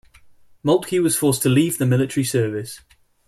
Moltke was forced to leave the military service.